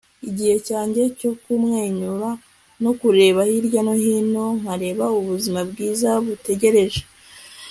igihe cyanjye cyo kumwenyura no kureba hirya no hino nkareba ubuzima bwiza butegereje